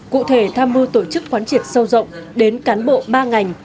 cụ thể tham mưu tổ chức quán triệt sâu rộng đến cán bộ ba ngành